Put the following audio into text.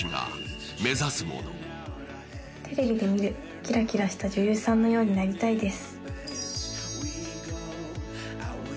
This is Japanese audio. テレビで見るキラキラした女優さんのようになりたいです。